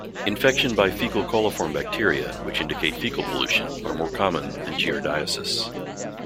Infection by fecal coliform bacteria, which indicate fecal pollution, are more common than giardiasis.